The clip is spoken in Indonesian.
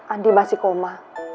andi masih koma